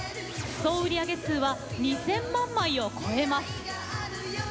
総売り上げ数は２０００万枚を超えます。